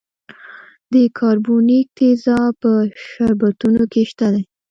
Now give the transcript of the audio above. د کاربونیک تیزاب په شربتونو کې شته دی.